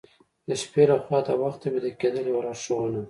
د شپې له خوا د وخته ویده کیدل یو لارښوونه ده.